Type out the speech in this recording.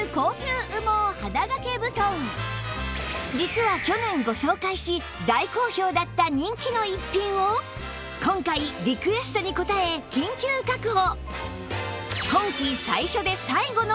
実は去年ご紹介し大好評だった人気の逸品を今回リクエストに応え緊急確保！